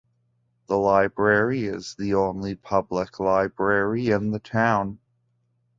The library is the only public library in the town.